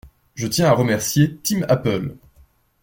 Je tiens à remercier Tim Apple.